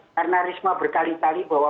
karena risma berkali kali bahwa